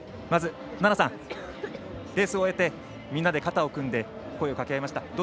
まず、菜那さん、レース終えてみんなで肩を組んで声をかけ合いました。